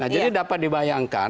jadi dapat dibayangkan